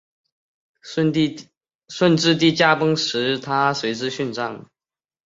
顺治帝驾崩时她随之殉葬。